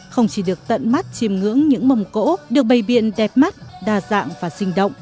không chỉ được tận mắt chìm ngưỡng những mầm cỗ được bày biện đẹp mắt đa dạng và sinh động